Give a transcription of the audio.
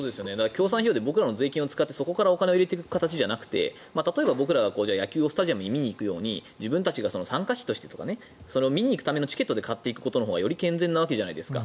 協賛費用って僕らの税金を使ってそこからお金を入れていく形じゃなくて例えば僕らが野球をスタジアムに見に行くように自分たちが参加費として見に行くためのチケットで買っていくことのほうがより健全なわけじゃないですか